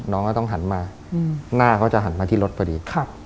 น้องก็ต้องหันมาหน้าเขาจะหันมาที่รถพอดี